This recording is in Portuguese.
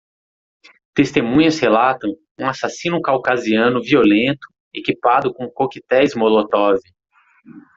Testemunhas relatam um assassino caucasiano violento equipado com coquetéis Molotov.